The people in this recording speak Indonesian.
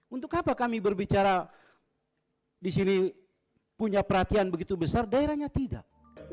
untuk apa kami berbicara di sini punya perhatian begitu besar daerahnya tidak